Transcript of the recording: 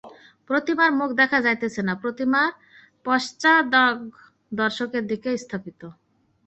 প্রতিমার মুখ দেখা যাইতেছে না, প্রতিমার পশ্চাদ্ভাগ দর্শকের দিকে স্থাপিত।